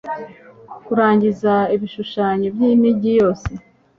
kurangiza ibishushanyo by'imigi yose